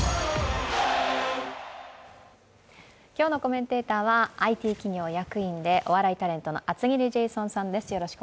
今日のコメンテーターはＩＴ企業役員でお笑いタレントの厚切りジェイソンさんです。